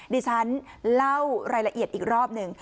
ดิฉันเล่ารายละเอียดอีกรอบหนึ่ง